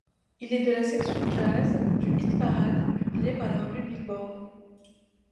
Il est de la section jazz du hit-parade publié par la revue Billboard.